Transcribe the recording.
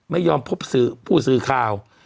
ไม่ยอมพบสื่อผู้ซื้อข่าว